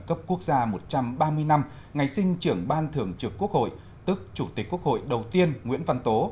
cấp quốc gia một trăm ba mươi năm ngày sinh trưởng ban thường trực quốc hội tức chủ tịch quốc hội đầu tiên nguyễn văn tố